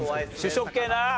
主食系な。